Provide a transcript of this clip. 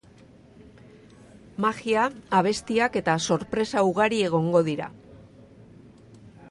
Magia, abestiak eta sorpresa ugari egongo dira.